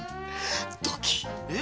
ドキッ。え？